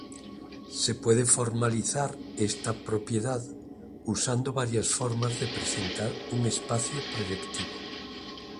Se puede formalizar esta propiedad usando varias formas de presentar un espacio proyectivo.